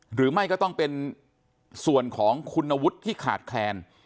หรือไม่ก็ต้องเป็นส่วนของคุณวุฒิที่ขาดแคลน